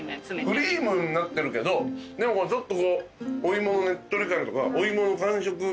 クリームになってるけどでもちょっとお芋のねっとり感とかお芋の感触